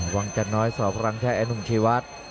วังจันทน้อยสพมแอนุงชีวัทธ์